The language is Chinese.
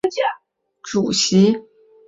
苏克现在是克罗地亚足协主席。